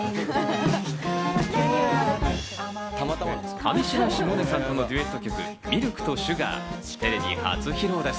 上白石萌音さんとのデュエット曲『ミルクとシュガー』、テレビ初披露です。